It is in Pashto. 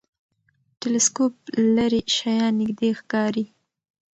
ټلسکوپ لرې شیان نږدې ښکاري.